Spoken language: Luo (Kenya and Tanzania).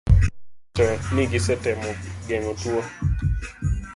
John Pombe Magufuli gi jopinyno ne wacho ni gisetemo geng'o tuo